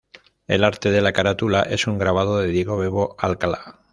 El arte de la Carátula es un grabado de Diego "Bebo" Alcala.